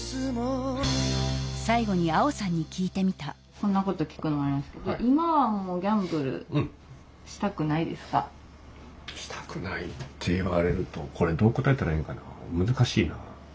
こんなこと聞くのはあれなんですけどしたくないって言われるとこれどう答えたらええんかな難しいな。